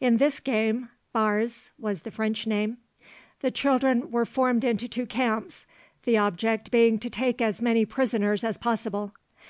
In this game barres was the French name the children were formed into two camps, the object being to take as many prisoners as possible.